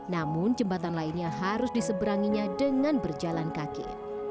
namun jembatan lainnya harus diseberanginya dengan berjalan kaki